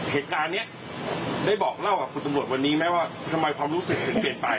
เหตุการณ์นี้ได้บอกเล่ากับคุณตำรวจวันนี้ไหมว่าทำไมความรู้สึกถึงเปลี่ยนไป